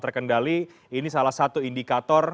terkendali ini salah satu indikator